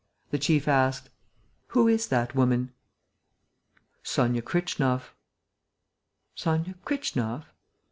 The chief asked: "Who is that woman?" "Sonia Kritchnoff." "Sonia Kritchnoff?"